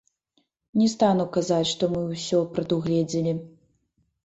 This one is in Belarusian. Не стану казаць, што мы ўсё прадугледзелі.